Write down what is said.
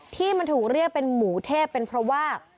ที่มันถูกเรียกเป็นหมูเทพเป็นเพราะว่า